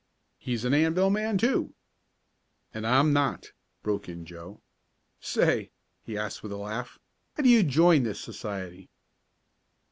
"He's an Anvil man, too." "And I'm not," broke in Joe. "Say," he asked with a laugh, "how do you join this society?"